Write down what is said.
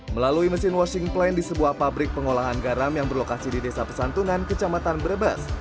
melalui mesin washing plan di sebuah pabrik pengolahan garam yang berlokasi di desa pesantunan kecamatan brebes